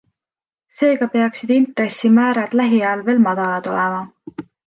Seega peaksid intressimäärad lähiajal veel madalad olema.